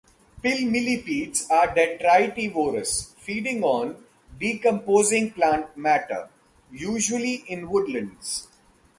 Pill millipedes are detritivorous, feeding on decomposing plant matter, usually in woodlands.